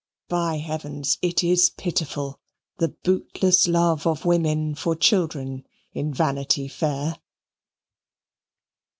By heavens it is pitiful, the bootless love of women for children in Vanity Fair.